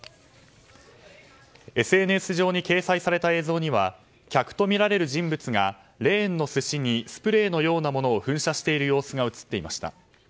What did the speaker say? ＳＮＳ上に掲載された映像には客とみられる人物がレーンの寿司にスプレーのようなものを噴射している様子が映っていました。